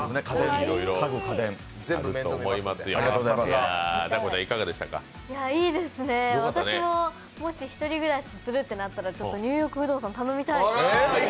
いいですね、私ももし１人暮らしするとなったら、ちょっと「ニューヨーク不動産」に頼みたいです。